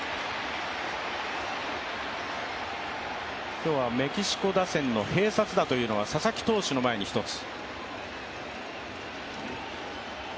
今日はメキシコ打線の併殺打が佐々木投手の前に１つ。